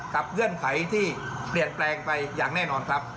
เงื่อนไขที่เปลี่ยนแปลงไปอย่างแน่นอนครับ